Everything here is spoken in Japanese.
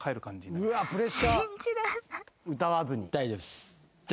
大丈夫です。